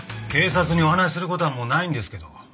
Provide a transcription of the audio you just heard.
警察にお話しする事はもうないんですけど。